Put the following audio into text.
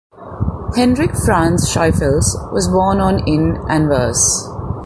Hendrik Frans Schaefels was born on in Anvers.